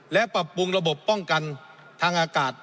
และปรับปรุงระบบป้องกันทางอากาศ